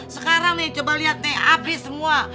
sekarang nih coba liat nih abis semua